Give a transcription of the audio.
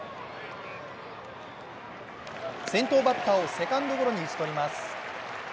先頭バッターをセカンドゴロに打ち取ります。